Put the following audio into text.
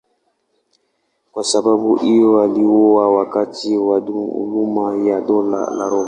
Kwa sababu hiyo aliuawa wakati wa dhuluma ya Dola la Roma.